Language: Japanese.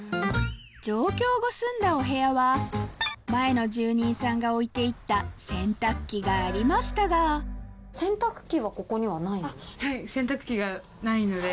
上京後住んだお部屋は前の住人さんが置いて行った洗濯機がありましたが洗濯機がないので。